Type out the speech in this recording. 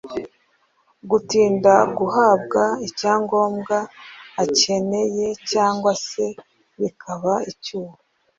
Gutinda guhabwa icyangombwa akeneye cyangwa se bikaba icyuho